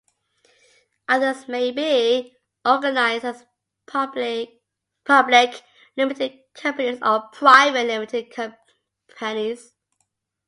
Others may be organised as public limited companies or private limited companies.